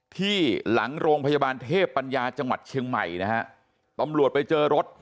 ที่หลังโรงพยาบาลเทพปัญญาจังหวัดเชียงใหม่นะฮะตำรวจไปเจอรถ